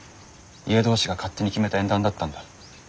家同士が勝手に決めた縁談だったんだ。